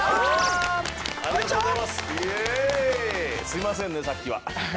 すいませんねさっきは。